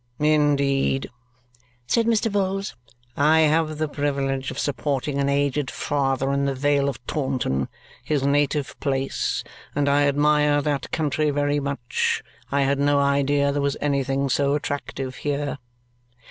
"Indeed?" said Mr. Vholes. "I have the privilege of supporting an aged father in the Vale of Taunton his native place and I admire that country very much. I had no idea there was anything so attractive here."